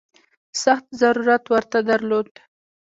سخت ضرورت ورته درلود.